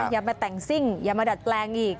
อย่ามาแต่งซิ่งอย่ามาดัดแปลงอีก